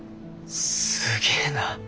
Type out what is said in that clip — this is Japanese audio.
すげえな。